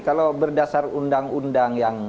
kalau berdasar undang undang yang